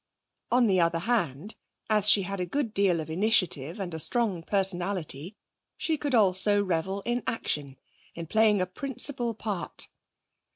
On the other hand, as she had a good deal of initiative and a strong personality, she could also revel in action, in playing a principal part.